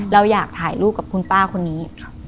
เราอยากถ่ายรูปกับคุณป้าคนนี้